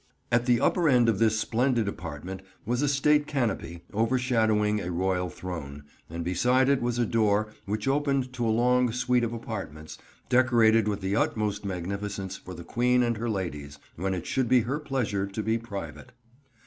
At the upper end of this splendid apartment was a State canopy, overshadowing a royal throne, and beside it was a door which opened to a long suite of apartments, decorated with the utmost magnificence for the Queen and her ladies, when it should be her pleasure to be private."